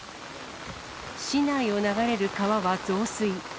市内を流れる川は増水。